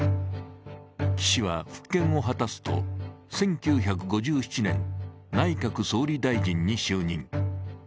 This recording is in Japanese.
岸は復権を果たすと１９５７年、内閣総理大臣に就任。